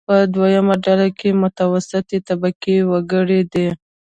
په دویمه ډله کې متوسطې طبقې وګړي دي.